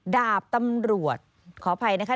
ดาบตำรวจขออภัยนะคะ